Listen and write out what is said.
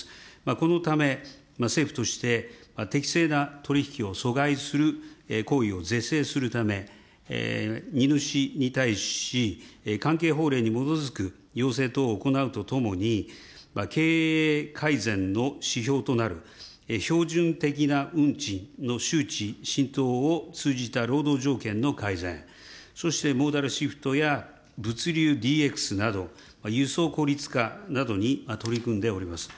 このため政府として適正な取り引きを阻害する行為を是正するため、荷主に対し、関係法令に基づく要請等を行うとともに、経営改善の指標となる、標準的な運賃の周知浸透を通じた労働条件の改善、そしてモーダルシフトや物流ＤＸなど、輸送効率化などに取り組んでおります。